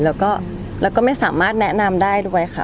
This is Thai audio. แล้วก็ไม่สามารถแนะนำได้ด้วยค่ะ